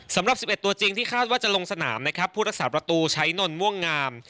สำหรับ๑๑ตัวจริงที่คาดว่าจะลงสนามนะครับผู้รักษาประตูใช้นนม่วงงาม